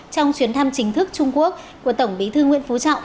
trong chuyến thăm chính thức trung quốc của tổng bí thư nguyễn phú trọng